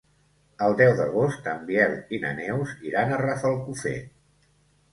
El deu d'agost en Biel i na Neus iran a Rafelcofer.